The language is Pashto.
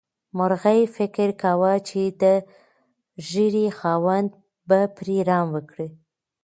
مرغۍ فکر کاوه چې د ږیرې خاوند به پرې رحم وکړي.